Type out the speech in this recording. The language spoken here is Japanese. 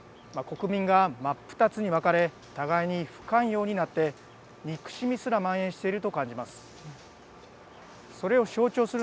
国民が真っ二つに分かれ互いに不寛容になって憎しみすらまん延していると感じます。